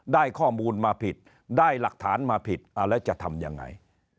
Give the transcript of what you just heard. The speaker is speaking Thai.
ได้ข้อมูลมาผิดได้หลักฐานมาผิดแล้วจะทำยังไง